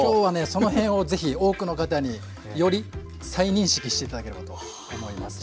その辺を是非多くの方により再認識して頂ければと思います。